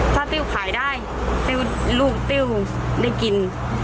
ถ้าติ้วขายได้ติ้วลูกติ้วได้กิน